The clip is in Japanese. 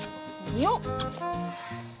よっ！